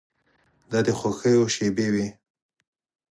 دا د خوښیو شېبې وې.